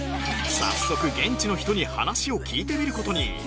早速現地の人に話を聞いてみる事に